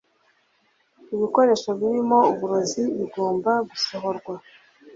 Ibikoresho birimo uburozi bigomba gusohorwa